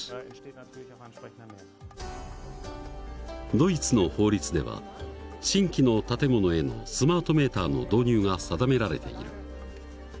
ドイツの法律では新規の建物へのスマートメーターの導入が定められている。